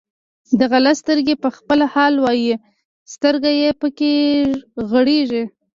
د غله سترګې په خپله حال وایي، سترګې یې پکې غړېږي.